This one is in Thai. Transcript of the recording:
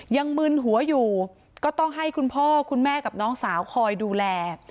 มึนหัวอยู่ก็ต้องให้คุณพ่อคุณแม่กับน้องสาวคอยดูแล